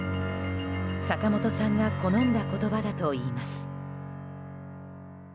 坂本さんが好んだ言葉だといいます。